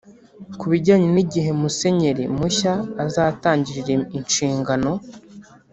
Ku bijyanye n’igihe Musenyeri mushya azatangirira inshingano